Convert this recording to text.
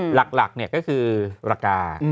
หลักก็คือราคา